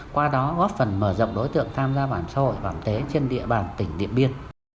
qua đó góp phần mở rộng đối tượng tham gia bảo hiểm xã hội bảo hiểm y tế trên địa bàn tỉnh điện biên